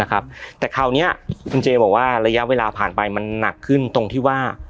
แต่คราวนี้คุณเจบอกว่าระยะเวลาผ่านไปมันหนักขึ้นตรงที่ว่า